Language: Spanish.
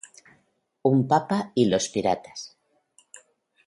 Umpa-pah y los piratas.